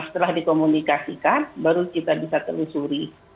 setelah dikomunikasikan baru kita bisa telusuri